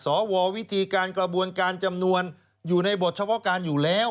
วิธีการกระบวนการจำนวนอยู่ในบทเฉพาะการอยู่แล้ว